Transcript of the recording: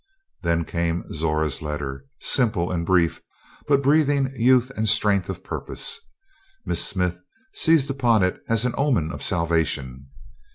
Then came Zora's letter, simple and brief, but breathing youth and strength of purpose. Miss Smith seized upon it as an omen of salvation.